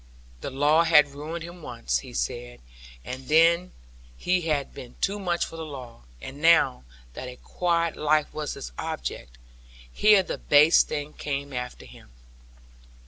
The law had ruined him once, he said; and then he had been too much for the law: and now that a quiet life was his object, here the base thing came after him.